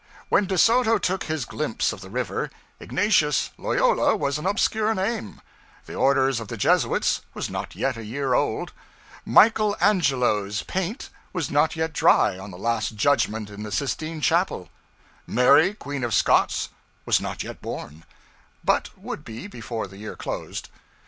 When De Soto took his glimpse of the river, Ignatius Loyola was an obscure name; the order of the Jesuits was not yet a year old; Michael Angelo's paint was not yet dry on the Last Judgment in the Sistine Chapel; Mary Queen of Scots was not yet born, but would be before the year closed.